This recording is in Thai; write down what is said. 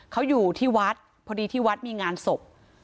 เขาอยู่ที่วัดพอดีที่วัดมีงานศพ